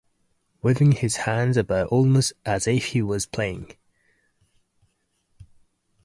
Waving his hands about almost as if he was praying.